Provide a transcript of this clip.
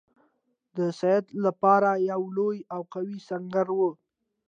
د سید لپاره یو لوی او قوي سنګر وو.